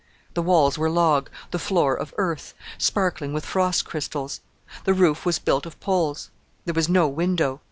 The walls were log; the floor of earth, sparkling with frost crystals; the roof was built of poles. There was no window.